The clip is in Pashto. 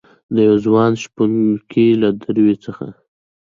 دیوه ځوان شپونکي له دروي څخه